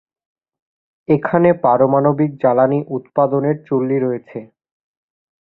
এখানে পারমাণবিক জ্বালানি উৎপাদনের চুল্লী রয়েছে।